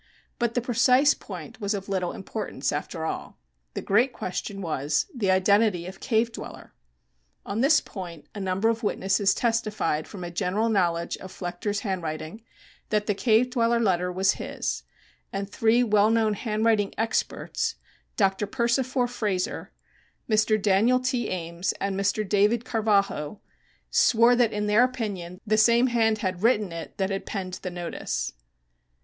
But the precise point was of little importance, after all. The great question was: the identity of 'CAVE DWELLER.' On this point a number of witnesses testified from a general knowledge of Flechter's handwriting that the "Cave Dweller" letter was his, and three well known handwriting "experts" (Dr. Persifor Frazer, Mr. Daniel T. Ames and Mr. David Carvalho) swore that, in their opinion, the same hand had written it that had penned the notice.